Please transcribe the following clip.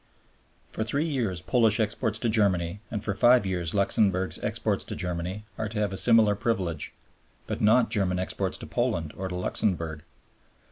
For three years Polish exports to Germany, and for five years Luxemburg's exports to Germany, are to have a similar privilege, but not German exports to Poland or to Luxemburg.